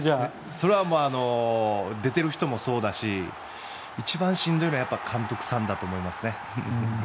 それは出てる人もそうだし一番しんどいのは監督さんだと思いますね。